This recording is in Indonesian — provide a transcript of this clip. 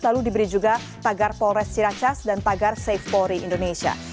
lalu diberi juga tagar polres ciracas dan pagar safe polri indonesia